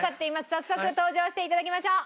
早速登場して頂きましょう。